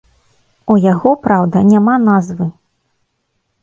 У яго, праўда, няма назвы.